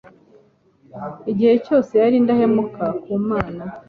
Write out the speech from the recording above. igihe cyose yari indahemuka ku Mana.